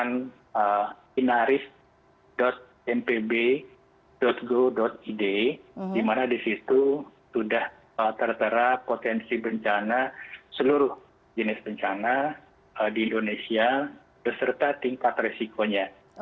dengan inaris mpb go id di mana di situ sudah tertera potensi bencana seluruh jenis bencana di indonesia beserta tingkat resikonya